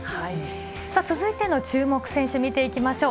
続いての注目選手、見ていきましょう。